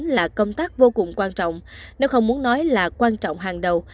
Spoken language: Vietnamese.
là công tác vô cùng quan trọng nếu không muốn nói là quan trọng hàng đầu